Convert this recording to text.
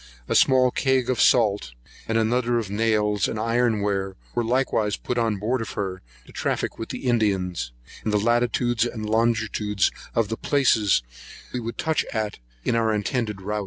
A small cag of salt, and another of nails and iron ware, were likewise put on board of her, to traffic with the Indians, and the latitudes and longitudes of the places we would touch at, in our intended rout.